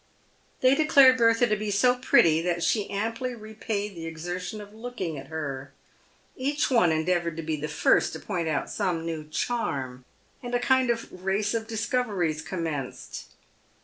They declared Bertha to be so pretty that she amply repaid the exertion of looking at her. Each one en deavoured to be the first to point out some new charm, and a kind of race of discoveries commenced.